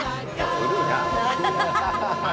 古いな。